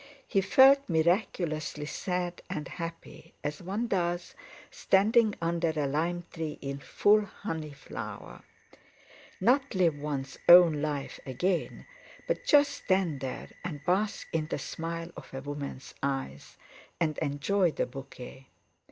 He felt miraculously sad and happy, as one does, standing under a lime tree in full honey flower. Not live one's own life again, but just stand there and bask in the smile of a woman's eyes, and enjoy the bouquet!